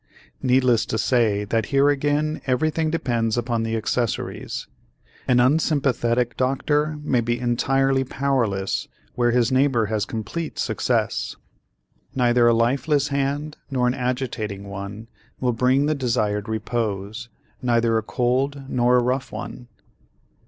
Needless to say that here again everything depends upon the accessories. An unsympathetic doctor may be entirely powerless where his neighbor has complete success. Neither a lifeless hand nor an agitating one will bring the desired repose, neither a cold nor a rough one.